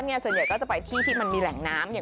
ส่วนใหญ่ผมจะไปที่มีแหงน้ำ